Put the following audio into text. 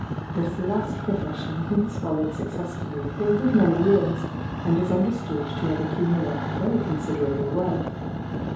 This last profession he has followed successfully for a good many years, and is understood to have accumulated very considerable wealth.